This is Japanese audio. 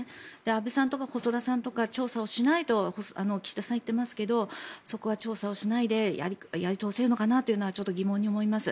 安倍さんとか細田さんとかは調査しないと岸田さんは言っていますがそこは調査をしないでやり通せるのかなというのはちょっと疑問に思います。